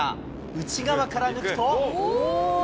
内側から抜くと。